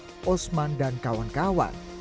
sumpah usman dan kawan kawan